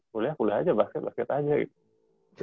kuliah kuliah aja basket basket aja gitu